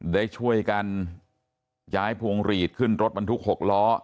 ได้ช่วยกันย้ายพวงหลีดขึ้นรถบรรทุก๖ล้อ